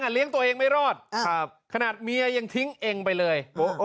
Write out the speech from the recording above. เลี้ยงตัวเองไม่รอดขนาดเมียยังทิ้งเองไปเลย